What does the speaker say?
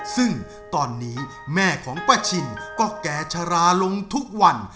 ซึ่งตอนนี้แม่ของป้าชินก็แก่ชะลาลงทุกวัน